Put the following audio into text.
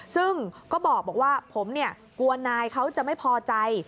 ซึ่งก็บอกว่าผมเนี่ยกลัวนายเขาจะไม่พอใจ